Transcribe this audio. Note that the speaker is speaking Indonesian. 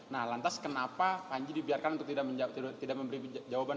nah lantas kenapa panji dibiarkan untuk tidak memberi jawaban